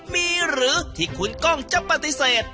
มีหรือที่คุณกล้องจะปฏิเสธ